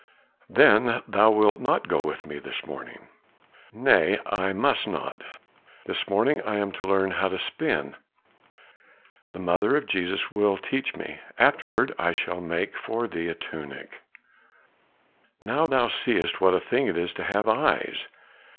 "Then thou wilt not go with me this morning?" "Nay, I must not; this morning I am to learn how to spin. The mother of Jesus will teach me; afterward I shall make for thee a tunic. Now thou seest what a thing it is to have eyes."